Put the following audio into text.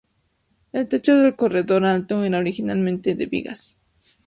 El techo del corredor alto era originalmente de vigas.